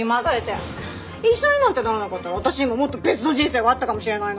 医者になんてならなかったら私にももっと別の人生があったかもしれないのに。